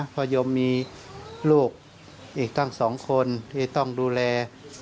เพราะยมมีลูกอีกทั้งสองคนที่ต้องดูแล